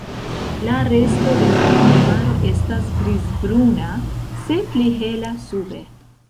La resto de la plumaro estas grizbruna, se pli hela sube.